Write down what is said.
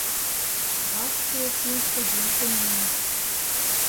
Вашке финн студентым муыч.